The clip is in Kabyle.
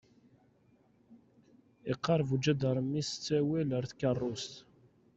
Iqeṛṛeb ujadermi s ttawil ar tkeṛṛust.